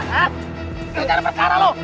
jangan nyari perkara lo